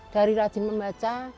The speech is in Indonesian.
dari rajin membaca